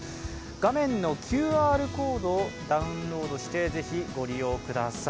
画面のＱＲコードをダウンロードしてぜひご利用ください。